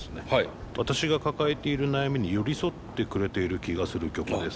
「私が抱えている悩みに寄り添ってくれている気がする曲です」。